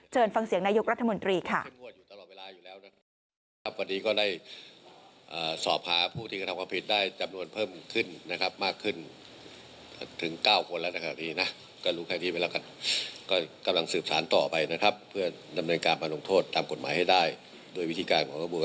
ฟังเสียงนายกรัฐมนตรีค่ะ